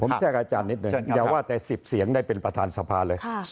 แทรกอาจารย์นิดนึงอย่าว่าแต่๑๐เสียงได้เป็นประธานสภาเลย